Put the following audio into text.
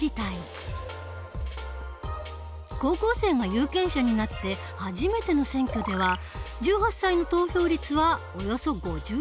高校生が有権者になって初めての選挙では１８歳の投票率はおよそ５１％。